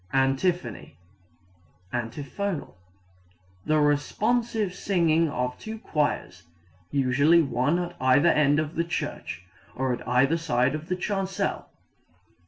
Antiphony (antiphonal) the responsive singing of two choirs, usually one at either end of the church, or at either side of the chancel.